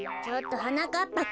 ちょっとはなかっ